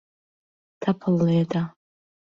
تەپڵ لێدە.